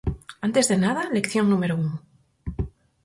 Antes de nada, lección número un.